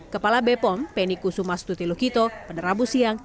kepala bepom peniku sumastuti lukito penerabu siang